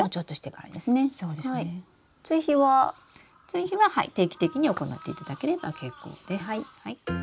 追肥は定期的に行っていただければ結構です。